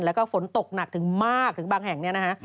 แล้วก็ฝนตกหนักถึงมากถึงบางแห่งเนี่ยนะฮะ